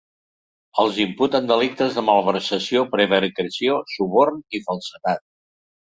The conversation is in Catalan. Els imputen delictes de malversació, prevaricació, suborn i falsedat.